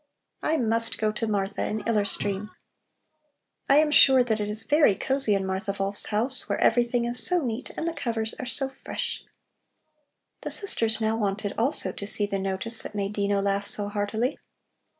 "I must go to Martha in Iller Stream. I am sure that it is very cosy in Martha Wolf's house, where everything is so neat and the covers are so fresh." The sisters now wanted also to see the notice that made Dino laugh so heartily.